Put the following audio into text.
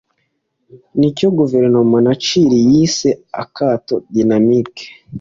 nicyo guverinoma ya Chili yise akato dinamike